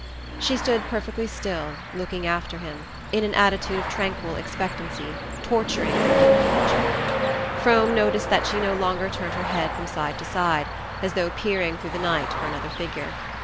She stood perfectly still, looking after him, in an attitude of tranquil expectancy torturing to the hidden watcher. Frome noticed that she no longer turned her head from side to side, as though peering through the night for another figure.